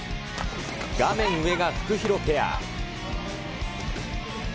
画面上がフクヒロペア。